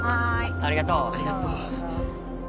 ありがとうありがとう